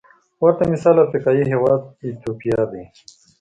ورته مثال افریقايي هېواد ایتوپیا دی.